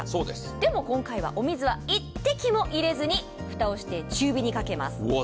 でも今回はお水は１滴も入れずに蓋をして中火にかけます。